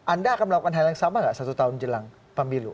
anda akan melakukan hal yang sama nggak satu tahun jelang pemilu